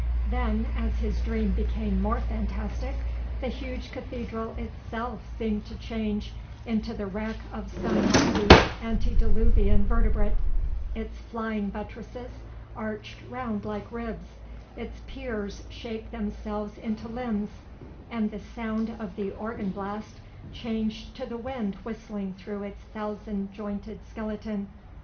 Then, as his dream became more fantastic, the huge cathedral itself seemed to change into the wreck of some mighty antediluvian vertebrate; its flying buttresses arched round like ribs, its piers shaped themselves into limbs, and the sound of the organ blast changed to the wind whistling through its thousand jointed skeleton.